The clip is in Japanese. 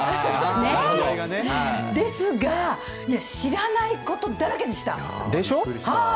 ですが、知らないことだらけでしでしょう。